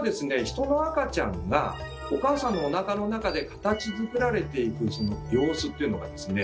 ヒトの赤ちゃんがお母さんのおなかの中で形づくられていくその様子っていうのがですね